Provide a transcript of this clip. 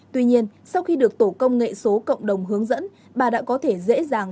tuy nhiên sau khi được tổ công nghệ số cộng đồng hướng dẫn